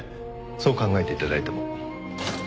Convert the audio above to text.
そう考えて頂いても。